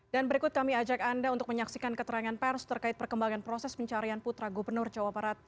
berikut kami ajak anda untuk menyaksikan keterangan pers terkait perkembangan proses pencarian putra gubernur jawa barat